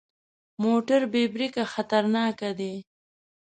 موټر بې بریکه خطرناک دی.